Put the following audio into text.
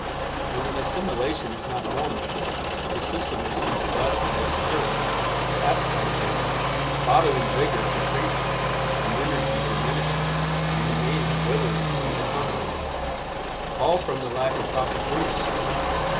And when assimilation is not normal, the system receives less and less nourishment, the appetite fails, bodily vigor decreases, and energy diminishes, and the man withers and declines. All from the lack of proper breathing.